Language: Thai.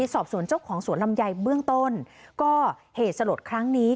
สอบสวนเจ้าของสวนลำไยเบื้องต้นก็เหตุสลดครั้งนี้